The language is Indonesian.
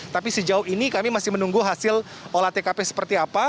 tapi sejauh ini kami masih menunggu hasil olah tkp seperti apa